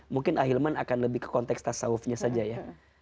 mungkin ahilman akan lebih ke konteks tasawufnya saja ya